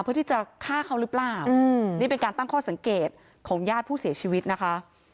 เพื่อที่จะฆ่าเขาหรือเปล่านี่เป็นการตั้งข้อสังเกตของญาติผู้เสียชีวิตนะคะ